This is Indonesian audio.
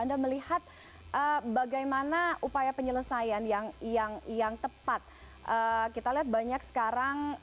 anda melihat bagaimana upaya penyelesaian yang yang tepat kita lihat banyak sekarang